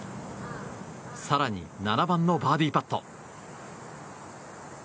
更に、７番のバーディーパット。